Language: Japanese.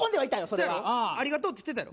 それはありがとうって言ってたよ